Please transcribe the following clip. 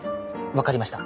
分かりました。